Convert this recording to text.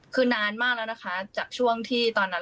คือนานมากแล้วนะคะจากช่วงที่ตอนนั้น